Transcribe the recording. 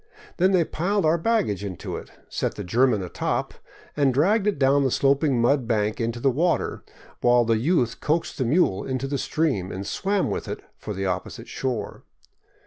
Then they piled our baggage into it, set the German atop, and dragged it down the sloping mud bank into the water, while the youth coaxed the mule into the stream and swam with it for the opposite shore.